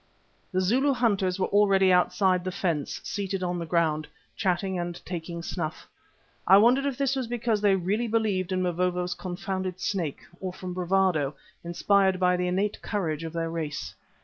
The Zulu hunters were already outside the fence, seated on the ground, chatting and taking snuff. I wondered if this was because they really believed in Mavovo's confounded Snake, or from bravado, inspired by the innate courage of their race.